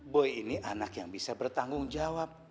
boy ini anak yang bisa bertanggung jawab